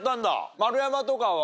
丸山とかは？